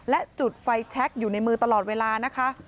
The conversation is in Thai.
และจุดไฟแชคอยู่ในมือตลอดเวลานะคะ